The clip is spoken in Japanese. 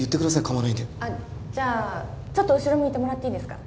構わないんであっじゃあちょっと後ろ向いてもらっていいですか？